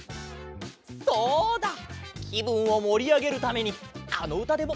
そうだきぶんをもりあげるためにあのうたでもうたおっか！